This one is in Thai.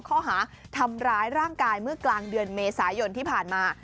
ข้อหาทำร้ายร่างกายเมื่อกลางเดือนเมษายนที่ผ่านมา